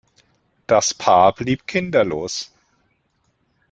Das Paar blieb kinderlos.